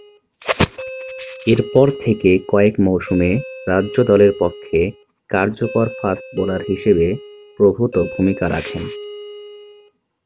এরপর থেকে কয়েক মৌসুমে রাজ্য দলের পক্ষে কার্যকর ফাস্ট বোলার হিসেবে প্রভূতঃ ভূমিকা রাখেন।